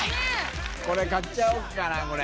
これ買っちゃおうかなこれ。